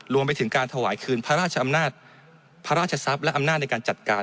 รวมไปถึงการถวายคืนพระราชอำนาจพระราชทรัพย์และอำนาจในการจัดการ